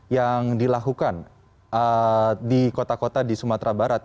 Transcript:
yang dilakukan di kota kota di sumatera barat